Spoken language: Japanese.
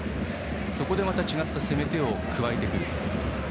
そこでまた違った攻め手を加えてくる。